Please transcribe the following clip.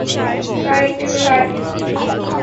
তার একটি হলো আরবী।